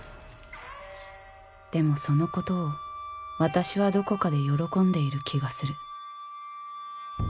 でもそのことを私はどこかで喜んでいる気がする。